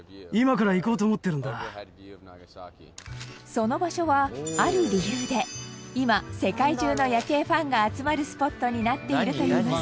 その場所はある理由で今世界中の夜景ファンが集まるスポットになっているといいます。